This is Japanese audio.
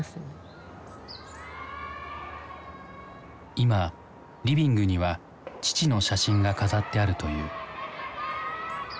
今リビングには父の写真が飾ってあるという。